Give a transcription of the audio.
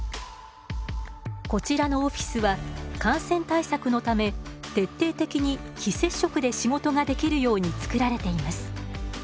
こちらのオフィスは感染対策のため徹底的に非接触で仕事ができるようにつくられています。